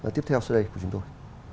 tiếp theo sẽ đây của chúng tôi